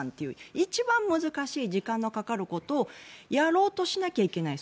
一番難しい時間のかかることをやろうとしなきゃいけない。